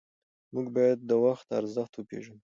موږ باید د وخت ارزښت وپېژنو.